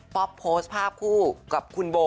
โพสต์ภาพคู่กับคุณโบ